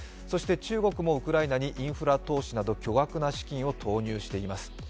中国もウクライナにインフラ投資など巨額な資金を投資しています。